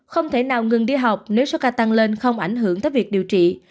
không thể nào ngừng đi học nếu số ca tăng lên không ảnh hưởng tới việc điều trị